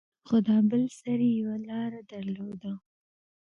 خو دا بل سر يې يوه لاره درلوده.